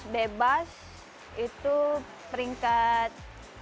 dua ratus bebas itu peringkat sembilan